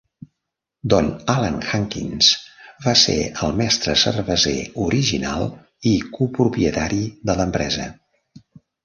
Don Alan Hankins va ser el mestre cerveser original i copropietari de l'empresa.